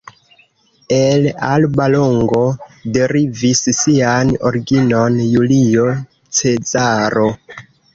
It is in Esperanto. El Alba Longo derivis sian originon Julio Cezaro.